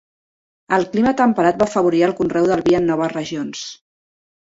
El clima temperat va afavorir el conreu del vi en noves regions.